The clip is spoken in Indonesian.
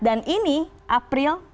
dan ini april